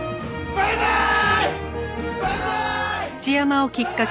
バンザーイ！